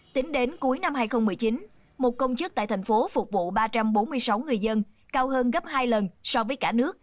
tính đến cuối năm hai nghìn một mươi chín một công chức tại thành phố phục vụ ba trăm bốn mươi sáu người dân cao hơn gấp hai lần so với cả nước